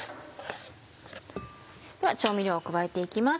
調味料を加えて行きます。